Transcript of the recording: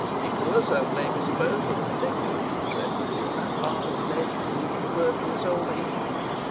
Nicholas, as may be supposed, was particularly interested in that part of the legend which referred to Isole de Heton.